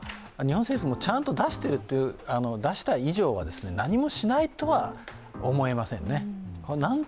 日本政府もちゃんと出した以上は、何もしないとは思えませんね。